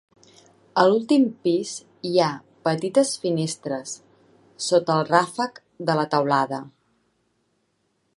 A l'últim pis hi ha petites finestres, sota el ràfec de la teulada.